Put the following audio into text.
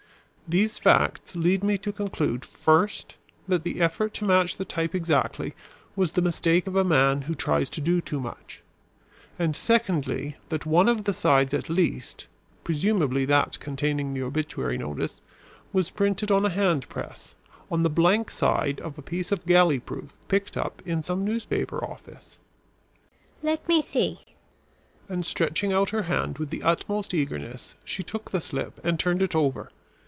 These facts lead me to conclude, first, that the effort to match the type exactly was the mistake of a man who tries to do too much; and secondly, that one of the sides at least, presumably that containing the obituary notice, was printed on a hand press, on the blank side of a piece of galley proof picked up in some newspaper office." "Let me see." And stretching out her hand with the utmost eagerness, she took the slip and turned it over.